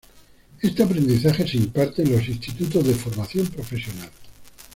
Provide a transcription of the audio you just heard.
Este aprendizaje se imparte en los institutos de formación profesional.